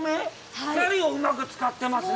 光をうまく使ってますよね。